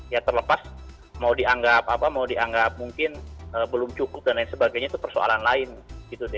ya terlepas mau dianggap apa mau dianggap mungkin belum cukup dan lain sebagainya itu persoalan lain gitu deh